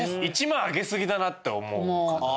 １万あげすぎだなって思うかな？